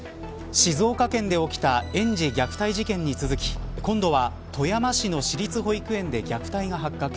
静岡県で起きた園児虐待事件に続き今度は富山市の私立保育園で虐待が発覚。